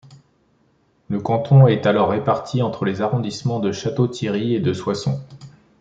Le canton est alors réparti entre les arrondissements de Château-Thierry et de Soissons.